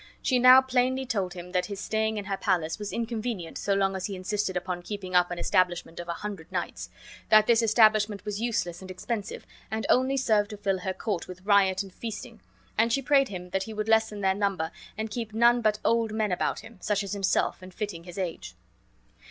She now plainly told him that his staying in her palace was inconvenient so long as he insisted upon keeping up an establishment of a hundred knights; that this establishment was useless and expensive and only served to fill her court with riot and feasting; and she prayed him that he would lessen their number and keep none but old men about him, such as himself, and fitting his age.